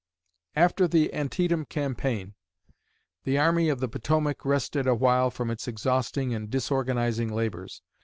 After the Antietam campaign, the Army of the Potomac rested awhile from its exhausting and disorganizing labors.